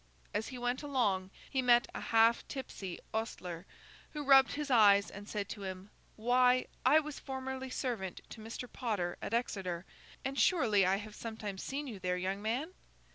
As he went along, he met a half tipsy ostler, who rubbed his eyes and said to him, 'Why, I was formerly servant to Mr. Potter at Exeter, and surely I have sometimes seen you there, young man?